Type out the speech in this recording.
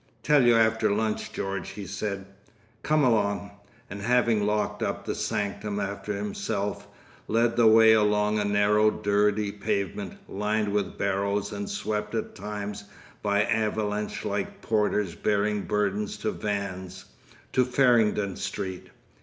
"Tell you after lunch, George," he said. "Come along!" and having locked up the sanctum after himself, led the way along a narrow dirty pavement, lined with barrows and swept at times by avalanche like porters bearing burthens to vans, to Farringdon Street.